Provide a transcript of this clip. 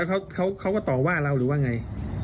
เขาก็ต่อว่าเราหรือว่าไง